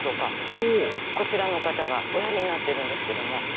ほおこちらの方がおやりになってるんですけども。